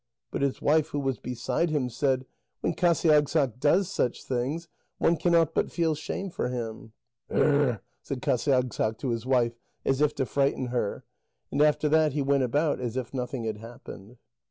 But his wife, who was beside him, said: "When Qasiagssaq does such things, one cannot but feel shame for him." "Hrrrr!" said Qasiagssaq to his wife, as if to frighten her. And after that he went about as if nothing had happened.